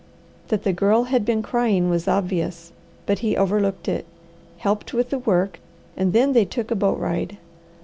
That the Girl had been crying was obvious, but he overlooked it, helped with the work, and then they took a boat ride.